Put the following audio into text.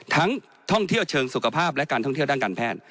ท่องเที่ยวเชิงสุขภาพและการท่องเที่ยวด้านการแพทย์